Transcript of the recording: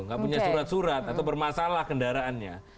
nggak punya surat surat atau bermasalah kendaraannya